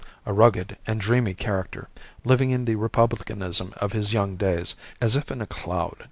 A rugged and dreamy character, living in the republicanism of his young days as if in a cloud.